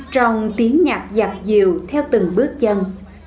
trồng tiếng nhạc giặt diều theo từng bước chân